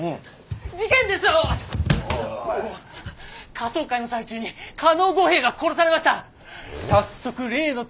仮装会の最中に加納五兵衛が殺されました。